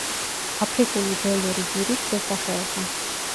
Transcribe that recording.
აფრიკული ველური ვირის ქვესახეობა.